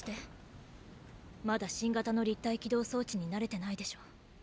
まだ新型の立体機動装置に慣れてないでしょ？